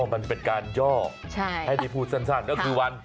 อ๋อมันเป็นการย่อหากลี่พูดสั้นก็คือวัน